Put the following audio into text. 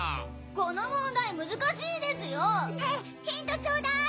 この問題難しいですよ！ねぇヒントちょうだい！